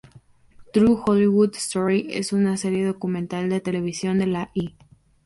True Hollywood Story es una serie documental de televisión de la E!